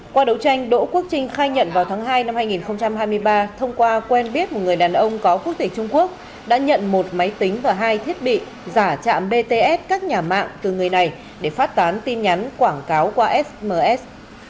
qua đấu tranh đỗ quốc trinh khai nhận vào tháng hai năm hai nghìn hai mươi ba thông qua quen biết một người đàn ông có quốc tịch trung quốc đã nhận một máy tính và hai thiết bị giả chạm bts các nhà mạng từ người này để phát tán tin nhắn quảng cáo qua sms